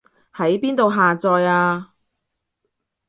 喺邊度下載啊